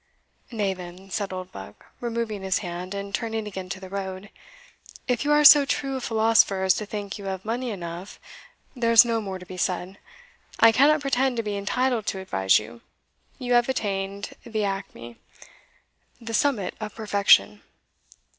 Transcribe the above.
"Nay, then," said Oldbuck, removing his hand, and turning again to the road, "if you are so true a philosopher as to think you have money enough, there's no more to be said I cannot pretend to be entitled to advise you; you have attained the acme' the summit of perfection.